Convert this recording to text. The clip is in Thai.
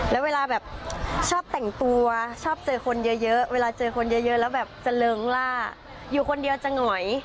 แล้วเวลาแบบชอบแต่งตัวชอบเจอคนเยอะเวลาเจอคนเยอะแล้วแบบจะเริงล่าอยู่คนเดียวจะหงอย